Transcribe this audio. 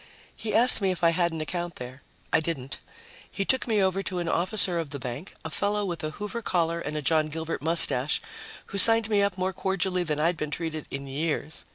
He asked me if I had an account there. I didn't. He took me over to an officer of the bank, a fellow with a Hoover collar and a John Gilbert mustache, who signed me up more cordially than I'd been treated in years.